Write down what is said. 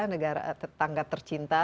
negara tetangga tercinta